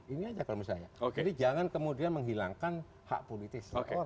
ini aja kalau menurut saya jadi jangan kemudian menghilangkan hak politik